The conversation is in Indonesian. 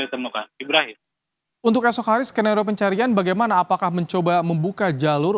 ditemukan ibrahim untuk esok hari skenario pencarian bagaimana apakah mencoba membuka jalur